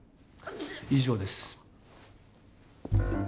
以上です。